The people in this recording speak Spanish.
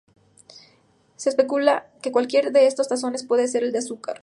Se especula que cualquiera de estos tazones puede ser el de Azúcar.